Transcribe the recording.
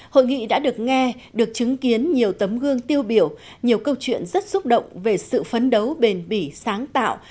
hội nghị đã được nghe được chứng kiến nhiều tấm gương tiêu biểu nhiều câu chuyện rất xúc động về sự phấn đấu bền bỉ sáng tạo